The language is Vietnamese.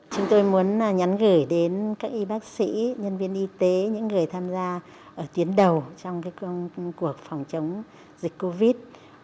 chúng tôi muốn nhắn gửi đến các y bác sĩ nhân viên y tế những người tham gia ở tuyến đầu trong cuộc phòng chống dịch covid một mươi chín